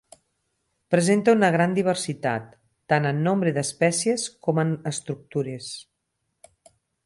Presenta una gran diversitat, tant en nombre d'espècies com en estructures.